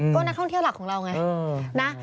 ก็นักท่องเที่ยวหลักของเราไงนะ